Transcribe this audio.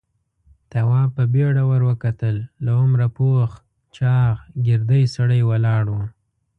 تواب په بيړه ور وکتل. له عمره پوخ چاغ، ګردی سړی ولاړ و.